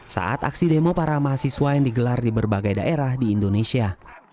saat aksi demo para mahasiswa yang digelar di berbagai daerah di indonesia